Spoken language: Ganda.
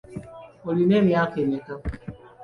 Olina emyaka emmeka?